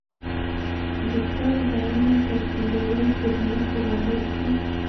د څړځایونو تبدیلول په ځمکو غلط دي.